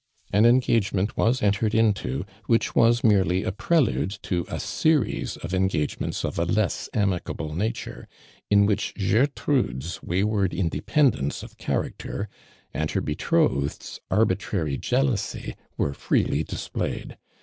An engagement wa.s entered into which was merely a jrelude to a series of engage ments i>f a less amicable nature, hi which (iortrudes wayward independence of cha racter and her betrothed's arl)itrary Jealou sy were freely displayed.